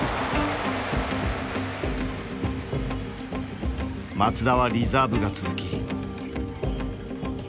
松田はリザーブが続き。